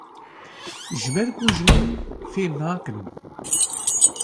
ji ber ku ji min fehm nakin.